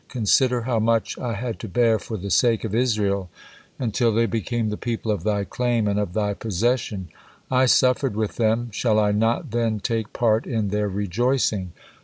Consider how much I had to bear for the sake of Israel until they became the people of Thy claim and of Thy possession. I suffered with them, shall I not then take part in their rejoicing?